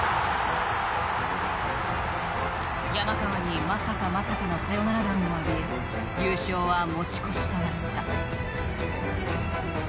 山川にまさかまさかのサヨナラ弾を浴び優勝は持ち越しとなった。